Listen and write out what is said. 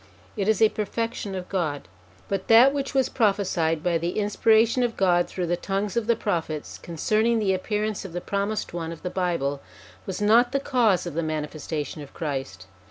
It is a perfection of God. But that which was prophesied by the in spiration of God through the tongues of the Prophets, concerning the appearance of the Promised One of the Bible, was not the cause of the manifestation of Christ.